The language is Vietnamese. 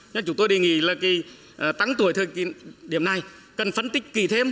nên chúng tôi đề nghị là tăng tuổi thời điểm này cần phân tích kỳ thêm